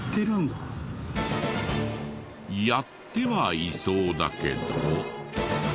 やってはいそうだけど。